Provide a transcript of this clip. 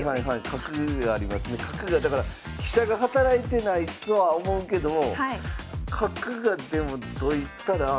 角がだから飛車が働いてないとは思うけども角がでもどいたら。